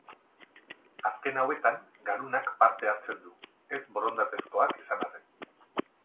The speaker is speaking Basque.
Azken hauetan garunak parte hartzen du, ez-borondatezkoak izan arren.